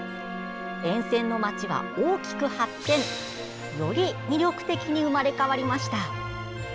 沿線の街は大きく発展！より魅力的に生まれ変わりました。